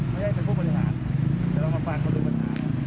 ไม่ได้เป็นผู้บริหารเดี๋ยวเรามาฟังคนดูปัญหา